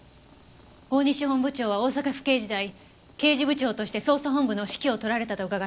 大西本部長は大阪府警時代刑事部長として捜査本部の指揮を執られたと伺っています。